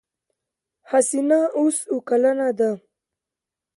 حسينه اوس اوه کلنه ده.